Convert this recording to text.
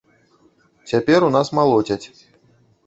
Цяпер у нас малоцяць.